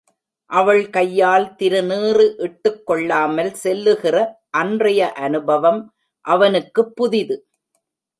அவள் கையால் திருநீறு இட்டுக் கொள்ளாமல் செல்லுகிற அன்றைய அனுபவம் அவனுக்குப் புதிது.